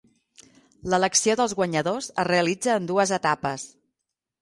L'elecció dels guanyadors es realitza en dues etapes.